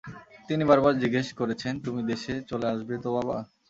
তিনি বারবার জিজ্ঞেস করেছেন, তুমি দেশে চলে আসবে তো বাবা?